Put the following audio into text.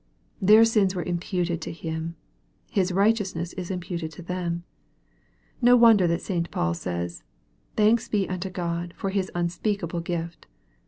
Their sins were imputed to Him. His righteousness is imputed to them. No wonder that St. Paul says, " Thanks be unto God for His unspeakable gift."